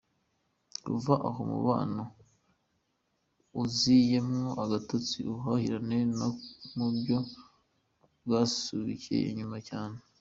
Kuva aho umubano uziyemo agatotsi, ubuhahirane na bwo bwasubiye inyuma cyane.